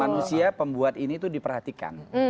manusia pembuat ini itu diperhatikan